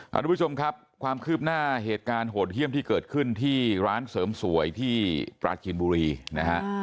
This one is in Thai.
ทุกผู้ชมครับความคืบหน้าเหตุการณ์โหดเยี่ยมที่เกิดขึ้นที่ร้านเสริมสวยที่ปราจีนบุรีนะฮะ